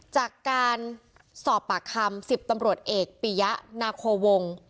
จากการสอบปากคำ๑๐ตำรวจเอกปียะนาโควง